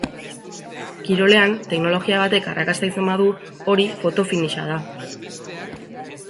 Kirolean teknologia batek arrakasta izan badu, hori foto finish-a da.